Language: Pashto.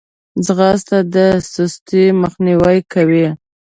ځغاسته د سستي مخنیوی کوي